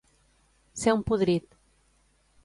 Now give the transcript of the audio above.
Ser un podrit.